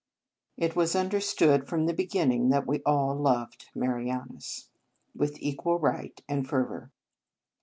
It was under stood from the beginning that we all loved Marianus with equal right and fervour.